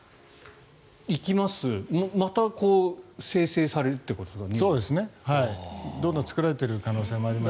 行きます、また生成されるということですか？